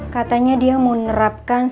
katanya dia mau nerapkan